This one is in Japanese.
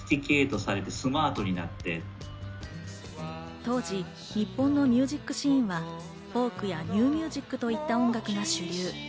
当時、日本のミュージックシーンはフォークやニューミュージックといった音楽が主流。